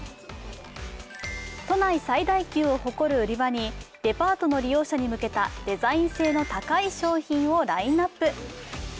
都内最大級を誇る売り場に、でパートの利用者に向けたデザイン性の高い商品をラインナップ。